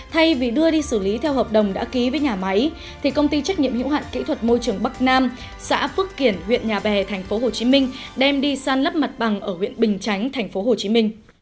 thay vì đưa đi xử lý theo hợp đồng đã ký với nhà máy thì công ty trách nhiệm hữu hạn kỹ thuật môi trường bắc nam xã phước kiển huyện nhà bè tp hcm đem đi san lấp mặt bằng ở huyện bình chánh tp hcm